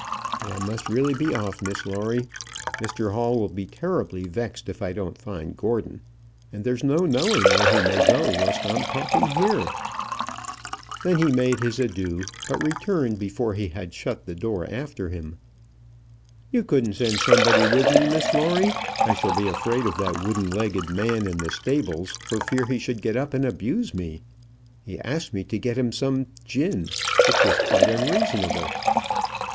But I must really be off, Miss Lawrie. Mr Hall will be terribly vexed if I don't find Gordon, and there's no knowing where he may go whilst I'm talking here." Then he made his adieux, but returned before he had shut the door after him. "You couldn't send somebody with me, Miss Lawrie? I shall be afraid of that wooden legged man in the stables, for fear he should get up and abuse me. He asked me to get him some gin, which was quite unreasonable."